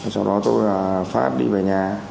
sau đó tôi phát đi về nhà